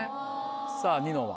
さぁニノは？